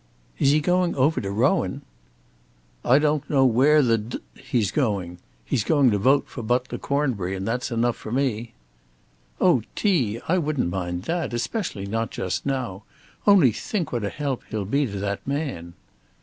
"Is he going over to Rowan?" "I don't know where the d he's going. He's going to vote for Butler Cornbury, and that's enough for me." "Oh, T., I wouldn't mind that; especially not just now. Only think what a help he'll be to that man!"